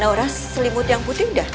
auras selimut yang putih udah